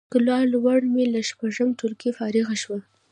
ښکلا لور می له شپږم ټولګی فارغه شوه